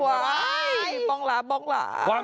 ว้ายป้องหลา